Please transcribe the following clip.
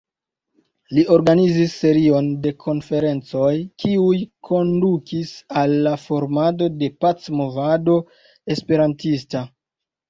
Li organizis serion de konferencoj kiuj kondukis al la formado de pac-movado esperantista.